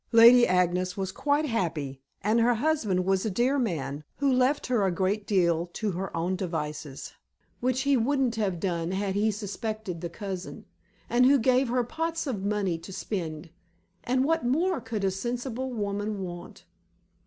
Lady Agnes was quite happy, and her husband was a dear man, who left her a great deal to her own devices which he wouldn't have done had he suspected the cousin; and who gave her pots of money to spend. And what more could a sensible woman want?